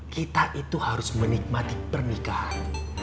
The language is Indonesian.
kita itu harus menikmati pernikahan